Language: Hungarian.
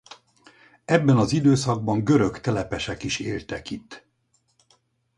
Ebben az időszakban görög telepesek is éltek itt.